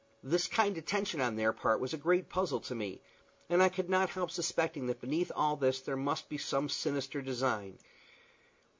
This kind attention on their part was a great puzzle to me, and I could not help suspecting that beneath all this there must be some sinister design.